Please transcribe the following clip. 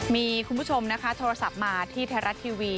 มีคุณผู้ชมนะคะโทรศัพท์มาที่ไทยรัฐทีวี